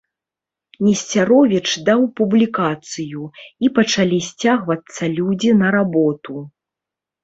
Несцяровіч даў публікацыю, і пачалі сцягвацца людзі на работу.